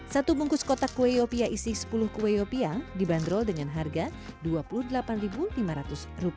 satu bungkus kotak kue yopia isi sepuluh kue yopia dibanderol dengan harga rp dua puluh delapan lima ratus